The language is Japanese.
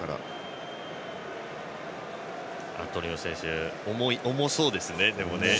アトニオ選手重そうですね。